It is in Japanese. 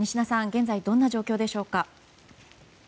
現在どんな状況でしょうか。